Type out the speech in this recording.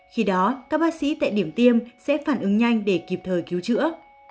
khi đó các bác sĩ tại điểm tiêm sẽ phản ứng nhanh để kịp thời cứu chữa